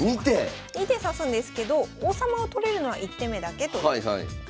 ２手指すんですけど王様を取れるのは１手目だけという感じです。